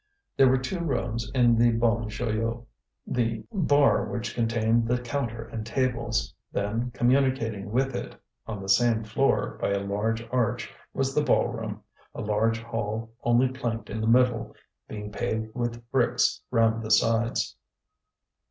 There were two rooms in the Bon Joyeux: the bar which contained the counter and tables; then, communicating with it on the same floor by a large arch, was the ball room, a large hall only planked in the middle, being paved with bricks round the sides.